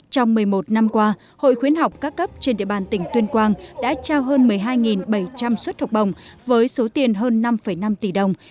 trong một mươi một năm qua hội khuyến học các cấp trên địa bàn tỉnh tuyên quang đã trao hơn một mươi hai bảy trăm linh suất học bồng với số tiền hơn năm năm tỷ đồng